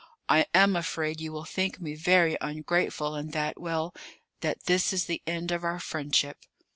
I am afraid you will think me very ungrateful, and that well, that this is the end of our friendship."